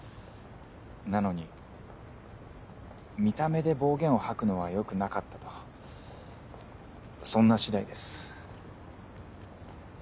なのに見た目で暴言を吐くのは良くなかったとそんな次第です。